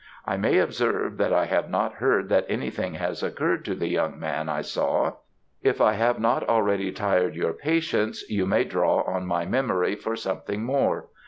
I may observe that I have not heard that anything has occurred to the young man I saw. If I have not already tired your patience you may draw on my memory for something more.